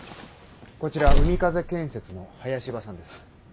こちら海風建設の林葉さんです。